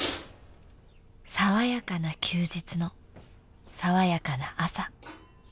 ［爽やかな休日の爽やかな朝］